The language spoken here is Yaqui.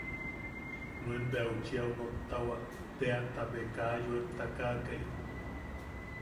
Nuen bea uchi au nottawak tea ta be kaa yoem takakai.